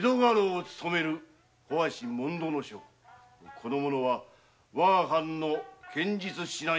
この者はわが藩の剣術指南役